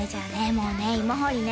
もうねいも掘りね